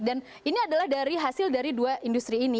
dan ini adalah dari hasil dari dua industri ini